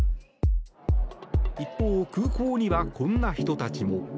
一方、空港にはこんな人たちも。